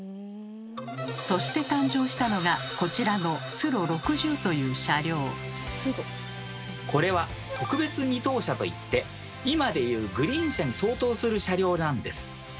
そして誕生したのがこちらのこれは「特別２等車」といって今で言うグリーン車に相当する車両なんです。